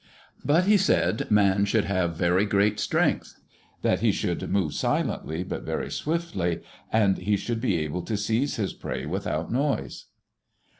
But he said man should have very great strength; that he should move silently, but very swiftly; and he should be able to seize his prey without noise.